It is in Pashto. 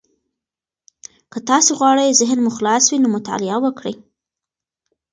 که تاسي غواړئ ذهن مو خلاص وي، نو مطالعه وکړئ.